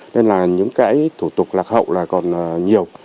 nên những thủ tục lạc hậu còn nhiều